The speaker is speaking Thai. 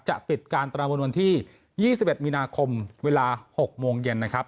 จะปิดการประมวลวันที่๒๑มีนาคมเวลา๖โมงเย็นนะครับ